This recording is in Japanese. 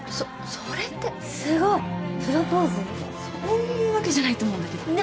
そういうわけじゃないと思うんだけど。